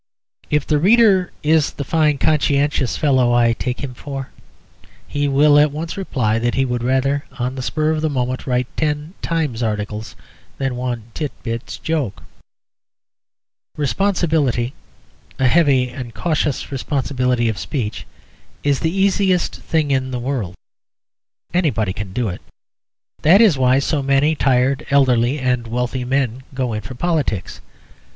If the reader is the fine conscientious fellow I take him for, he will at once reply that he would rather on the spur of the moment write ten Times articles than one Tit Bits joke. Responsibility, a heavy and cautious responsibility of speech, is the easiest thing in the world; anybody can do it. That is why so many tired, elderly, and wealthy men go in for politics.